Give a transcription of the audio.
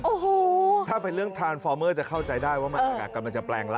โอ้โหถ้าเป็นเรื่องทานฟอร์เมอร์จะเข้าใจได้ว่ามันอากาศกำลังจะแปลงละ